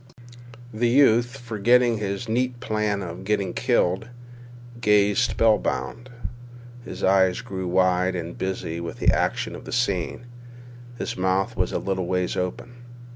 The youth, forgetting his neat plan of getting killed, gazed spell bound. His eyes grew wide and busy with the action of the scene. His mouth was a little ways open.